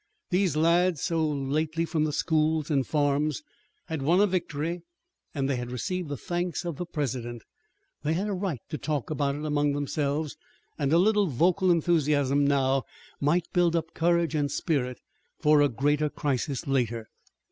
These lads, so lately from the schools and farms, had won a victory and they had received the thanks of the President. They had a right to talk about it among themselves and a little vocal enthusiasm now might build up courage and spirit for a greater crisis later.